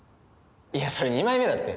いやそれ２枚目だって！